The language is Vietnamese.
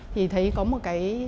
thì thấy có một cái